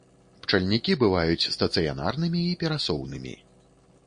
Пчальнікі бываюць стацыянарнымі і перасоўнымі.